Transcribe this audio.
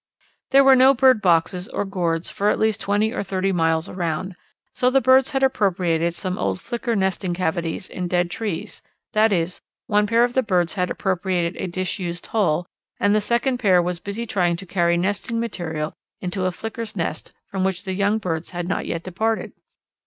There were no bird boxes or gourds for at least twenty or thirty miles around, so the birds had appropriated some old Flicker nesting cavities in dead trees, that is, one pair of the birds had appropriated a disused hole, and the second pair was busy trying to carry nesting material into a Flicker's nest from which the young birds had not yet departed.